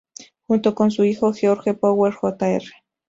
Junto con su hijo "George Powell Jr.